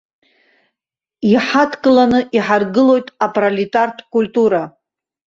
Иҳадкыланы иҳаргылоит апролетартә культура.